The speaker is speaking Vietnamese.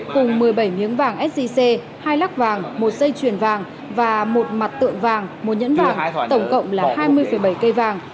cùng một mươi bảy miếng vàng sgc hai lắc vàng một dây chuyền vàng và một mặt tượng vàng một nhẫn vàng tổng cộng là hai mươi bảy cây vàng